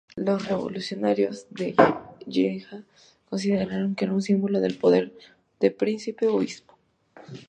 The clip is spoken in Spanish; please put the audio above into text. Los revolucionarios de Lieja consideraron que era un símbolo del poder del príncipe obispo.